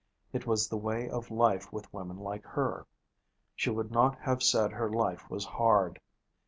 It was the way of life with women like her. She would not have said her life was hard.